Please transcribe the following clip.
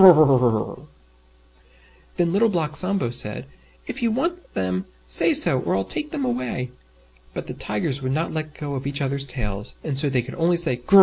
Then Little Black Sambo said, "If you want them, say so, or I'll take them away." But the Tigers would not let go of each others' tails, and so they could only say "Gr r r rrrrrr!"